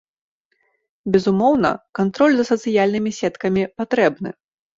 Безумоўна, кантроль за сацыяльнымі сеткамі патрэбны.